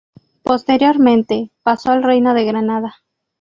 Posteriormente pasó al reino de Granada.